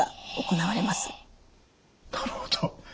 なるほど。